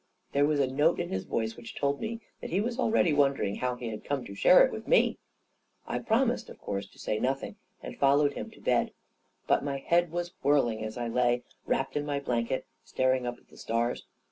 1 There was a note in his voice which told me that he was already wondering how he had come to share it with me ! I promised, of course, to say nothing; and fol lowed him to bed. But my head was whirling as I lay, wrapped in my blanket, staring up at the stars.